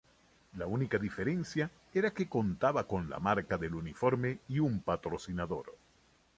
La única diferencia era que contaba con la marca del uniforme y un patrocinador.